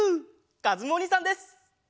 かずむおにいさんです！